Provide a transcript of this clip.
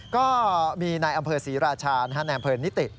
ก็มีในอำเภอศรีราชาในอำเภอนิติ